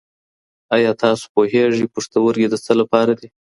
ایا تاسو پوهېږئ پښتورګي د څه لپاره دي؟